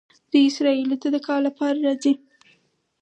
دوی اسرائیلو ته د کار لپاره راځي.